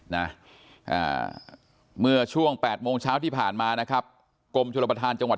นะอ่าเมื่อช่วงแปดโมงเช้าที่ผ่านมานะครับกรมชนประธานจังหวัด